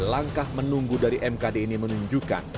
langkah menunggu dari mkd ini menunjukkan